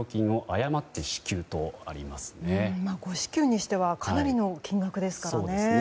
誤支給にしてはかなりの金額ですからね。